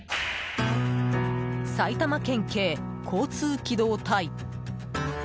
埼玉県警交通機動隊。